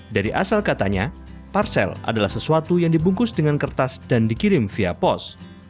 dari asal katanya parcel adalah sesuatu yang dibungkus dengan kertas dan dikirim via pos